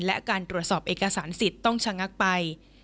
และการตรวจสอบเอกสารสิทธิ์ต้องชะงักไป